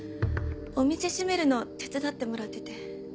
お店閉めるのを手伝ってもらってて。